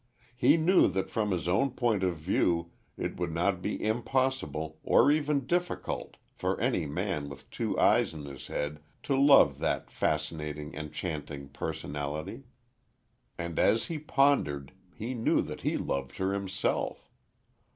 He knew that from his own point of view it would not be impossible or even difficult for any man with two eyes in his head to love that fascinating, enchanting personality. And as he pondered, he knew that he loved her himself.